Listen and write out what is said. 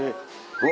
うわ！